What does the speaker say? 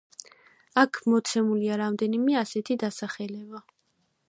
აქ მოცემულია რამდენიმე ასეთი დასახლება.